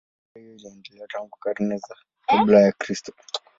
Biashara hiyo iliendelea tangu karne za kabla ya Kristo.